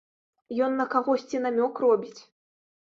Ён на кагосьці намёк робіць!